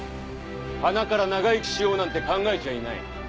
はなから長生きしようなんて考えちゃいない。